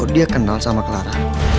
dewa temen aku